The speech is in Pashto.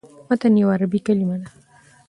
متن یوه عربي کلمه ده.